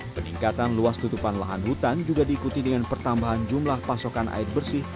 peningkatan luas tutupan lahan hutan juga diikuti dengan pertambahan jumlah pasokan air bersih